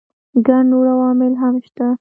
ګڼ نور عوامل هم شته.